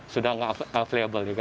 sudah nggak available